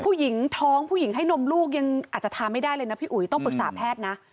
ผู้หญิงท้องผู้หญิงให้นมลูกยังอาจจะทานไม่ได้เลยนะพี่อุ๋ยต้องปรึกษาแพทย์นะ